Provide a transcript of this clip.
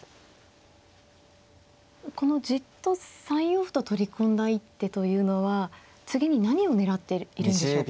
このじっと３四歩と取り込んだ一手というのは次に何を狙っているんでしょうか。